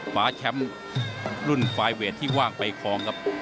ขวาแชมป์รุ่นไฟล์เวทที่ว่างไปคลองครับ